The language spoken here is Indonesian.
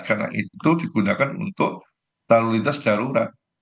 karena itu digunakan untuk lalu lintas darurat